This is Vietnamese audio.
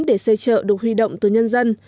để xây chợ được huy động từ nhân dân